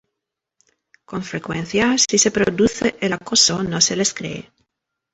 Con frecuencia, si se produce el acoso, no se les cree.